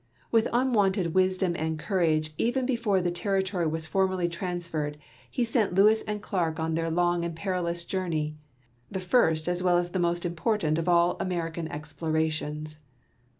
With unwonted wisdom and courage, even before the territory was formally transferred, he sent Lewis and Clarke on their long and perilous journey, the first as well as the most important of all American exi)lorations.